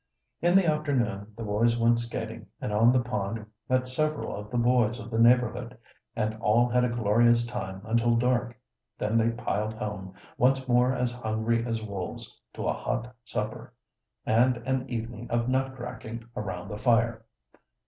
In the afternoon the boys went skating, and on the pond met several of the boys of the neighborhood, and all had a glorious time until dark. Then they piled home, once more as hungry as wolves, to a hot supper, and an evening of nut cracking around the fire.